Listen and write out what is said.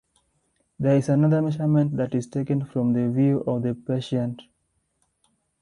There is another measurement that is taken from the view of the patient.